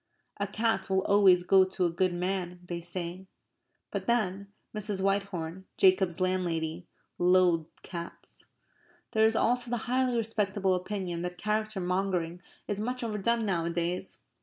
A cat will always go to a good man, they say; but then, Mrs. Whitehorn, Jacob's landlady, loathed cats. There is also the highly respectable opinion that character mongering is much overdone nowadays.